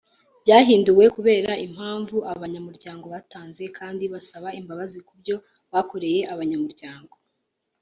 byahinduwe kubera impamvu abanyamuryango batanze kandi basaba imbabazi kubyo bakoreye abanyamuryango